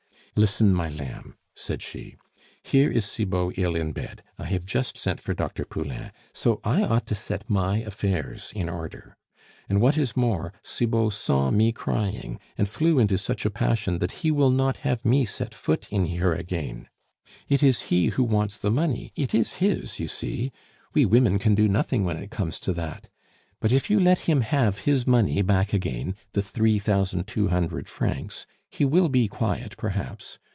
"Listen, my lamb," said she, "here is Cibot ill in bed; I have just sent for Dr. Poulain. So I ought to set my affairs in order. And what is more, Cibot saw me crying, and flew into such a passion that he will not have me set foot in here again. It is he who wants the money; it is his, you see. We women can do nothing when it comes to that. But if you let him have his money back again the three thousand two hundred francs he will be quiet perhaps.